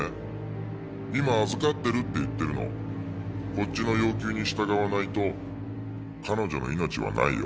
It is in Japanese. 「こっちの要求に従わないと彼女の命はないよ」